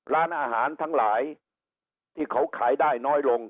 ร้านอาหารทั้งหลายที่เขาขายได้น้อยลง